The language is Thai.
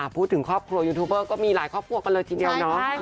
พูดถึงครอบครัวยูทูบเบอร์ก็มีหลายครอบครัวกันเลยทีเดียวเนาะ